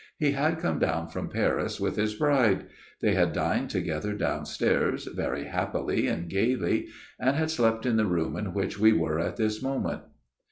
He had come down from Paris with his bride. They had dined together downstairs, very happily and gaily ; and had slept in the room in which we were at this moment.